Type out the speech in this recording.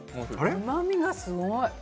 うまみがすごい！